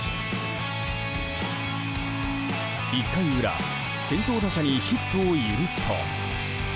１回裏先頭打者にヒットを許すと。